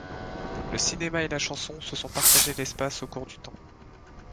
Le cinéma et la chanson se sont partagés l'espace au cours du temps.